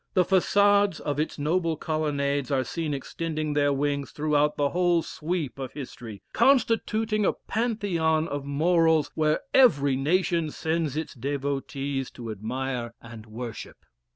The facades of its noble colonnades are seen extending their wings through the whole sweep of history, constituting a pantheon of morals, where every nation sends its devotees to admire and worship.